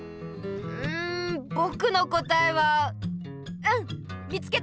うんぼくのこたえはうん見つけた！